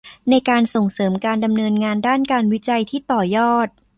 ในการส่งเสริมการดำเนินงานด้านการวิจัยที่ต่อยอด